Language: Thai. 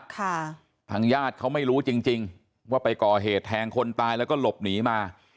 ทางญาติเขาไม่รู้จริงจริงว่าไปก่อเหตุแทงคนตายแล้วก็หลบหนีมา